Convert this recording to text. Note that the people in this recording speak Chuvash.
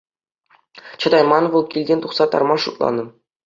Чӑтайман вӑл, килтен тухса тарма шутланӑ.